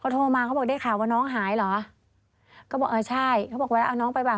โทรมาเขาบอกได้ข่าวว่าน้องหายเหรอก็บอกเออใช่เขาบอกเวลาเอาน้องไปป่